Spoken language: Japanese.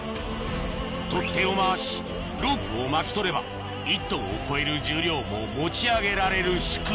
取っ手を回しロープを巻き取れば１トンを超える重量も持ち上げられる仕組み